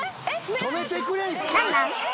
止めてくれ！